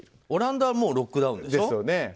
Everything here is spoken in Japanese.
オランダはもうロックダウンでしょ。